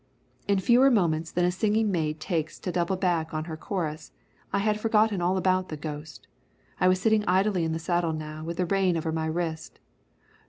In fewer moments than a singing maid takes to double back on her chorus, I had forgotten all about the ghost. I was sitting idly in the saddle now with the rein over my wrist.